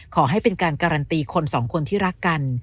ขอให้เป็นการการันตีคนสองคนที่รักกัน